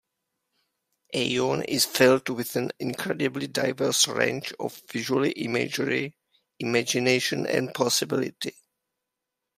Aeon is filled with an incredibly diverse range of visual imagery, imagination and possibility.